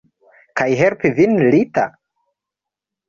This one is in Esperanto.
Kaj helpi vin, Rita?